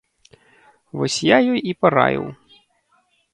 Вось я ёй і параіў.